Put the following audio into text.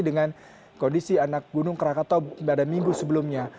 dengan kondisi anak gunung krakatau pada minggu sebelumnya